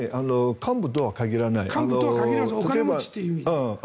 幹部とは限らずお金持ちという意味？